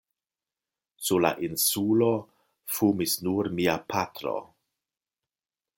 Sur la Insulo fumis nur mia patro.